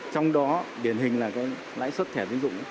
trong đó điển hình là lãi suất thẻ dân dụng